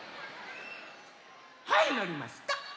はいのりました！